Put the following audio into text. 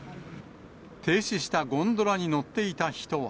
停止したゴンドラに乗っていた人は。